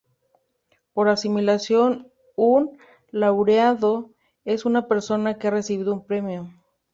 Por asimilación, un Laureado es una persona que ha recibido un premio.